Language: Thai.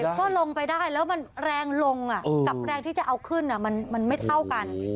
ก็ลงไปได้แล้วมันแรงลงกับแรงที่จะเอาขึ้นมันไม่เท่ากัน